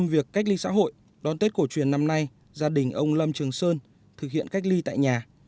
trong việc cách ly xã hội đón tết cổ truyền năm nay gia đình ông lâm trường sơn thực hiện cách ly tại nhà